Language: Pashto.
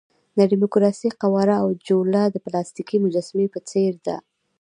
د ډیموکراسۍ قواره او جوله د پلاستیکي مجسمې په څېر ده.